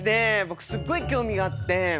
僕すっごい興味があって。